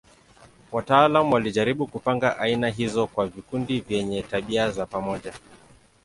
Wataalamu walijaribu kupanga aina hizo kwa vikundi vyenye tabia za pamoja.